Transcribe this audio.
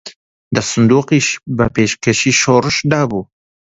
دە سندووقیشی بە پێشکەشی شۆڕش دابوو